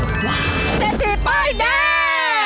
เศรษฐีป้ายแดง